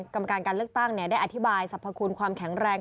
กรรมการการเลือกตั้งได้อธิบายสรรพคุณความแข็งแรง